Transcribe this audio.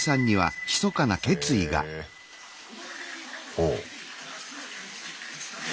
ほう。